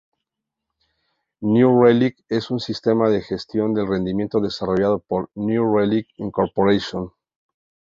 New Relic es un sistema de gestión del rendimiento, desarrollado por New Relic, Inc.